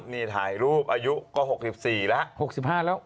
นี่ถ่ายรูปอายุก็หกกเรียปสี่ล่ะหกสิบห้าแล้ว